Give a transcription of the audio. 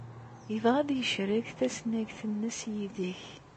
Yebɣa ad yecrek tasnagt-nnes yid-k.